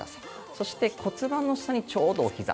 そして骨盤の下にちょうどおひざ。